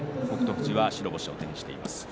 富士は白星を手にしています。